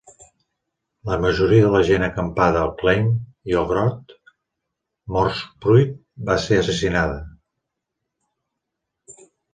La majoria de la gent acampada al Klein- i al Groot-Moordspruit va ser assassinada.